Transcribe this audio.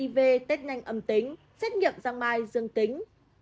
xét nghiệm răng mai dương tính